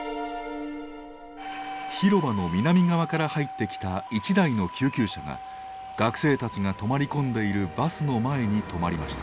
広場の南側から入ってきた一台の救急車が学生たちが泊まり込んでいるバスの前に止まりました。